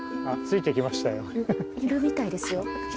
いるみたいですよ。